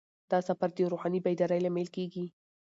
دا سفر د روحاني بیدارۍ لامل کیږي.